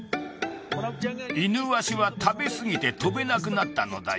イヌワシは食べ過ぎて飛べなくなったのだよ